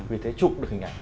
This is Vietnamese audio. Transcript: vì thế chụp được hình ảnh